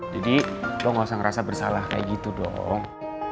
jadi lo gak usah ngerasa bersalah kayak gitu dong